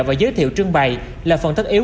và giới thiệu trưng bày là phần thất yếu